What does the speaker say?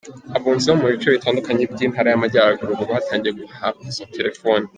Abunzi bo mu bice bitandukanye by’Intara y’Amajyaruguru batangiye guhabwa izo telefoni.